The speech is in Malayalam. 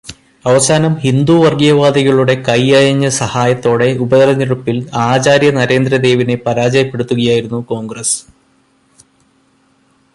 അവസാനം ഹിന്ദു വര്ഗീയവാദികളുടെ കയ്യയഞ്ഞ സഹായത്തോടെ ഉപതെരെഞ്ഞെടുപ്പില് ആചാര്യ നരേന്ദ്രദേവിനെ പരാജയപ്പെടുത്തുകയായിരുന്നു കോണ്ഗ്രസ്സ്.